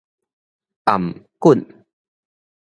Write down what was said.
頷頸